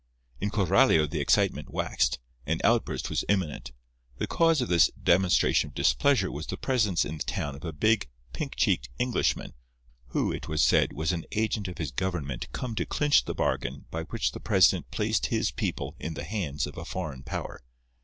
In Coralio the excitement waxed. An outburst was imminent. The cause of this demonstration of displeasure was the presence in the town of a big, pink cheeked Englishman, who, it was said, was an agent of his government come to clinch the bargain by which the president placed his people in the hands of a foreign power.